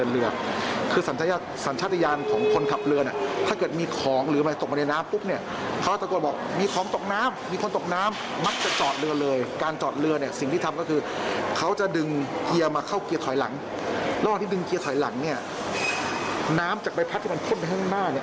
แล้วก็ที่ดึงเกียร์สอยหลังนี้น้ำจากใบพัดที่มันพ่นไปข้างหน้า